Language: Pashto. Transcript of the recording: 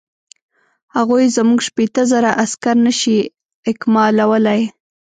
هغوی زموږ شپېته زره عسکر نه شي اکمالولای.